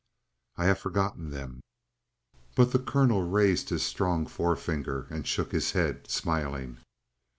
"I have forgotten them." But the colonel raised his strong forefinger and shook his head, smiling.